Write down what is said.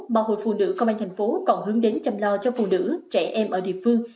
mà hội phụ nữ công an thành phố còn hướng đến chăm lo cho phụ nữ trẻ em ở địa phương